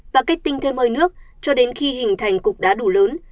và kết tinh thêm hơi nước cho đến khi hình thành cục đá đủ lớn